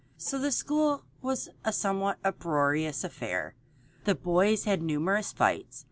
So the school was a somewhat uproarious affair. The boys had numerous fights.